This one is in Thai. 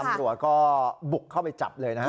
ตำรวจก็บุกเข้าไปจับเลยนะฮะ